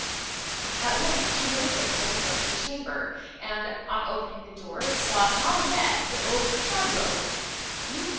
At length, she heard a footstep approach her chamber; and, on opening the door, saw, not Annette, but old Carlo!